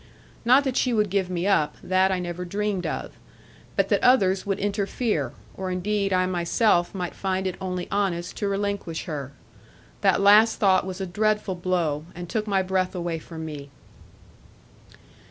Not that she would give me up: that I never dreamed of. But that others would interfere; or indeed I myself might find it only honest to relinquish her. That last thought was a dreadful blow, and took my breath away from me.